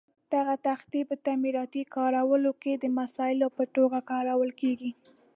دغه تختې په تعمیراتي کارونو کې د مسالو په توګه کارول کېږي.